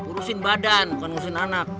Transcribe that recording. mewurahkan badan fungsin anak